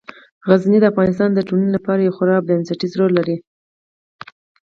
غزني د افغانستان د ټولنې لپاره یو خورا بنسټيز رول لري.